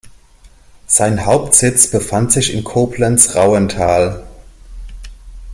Sein Hauptsitz befand sich in Koblenz-Rauental.